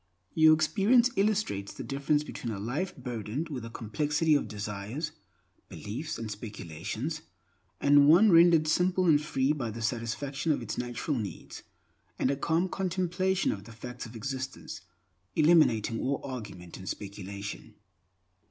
Your experience illustrates the difference between a life burdened with a complexity of desires, beliefs, and speculations, and one rendered simple and free by the satisfaction of its natural needs, and a calm contemplation of the facts of existence, eliminating all argument and speculation.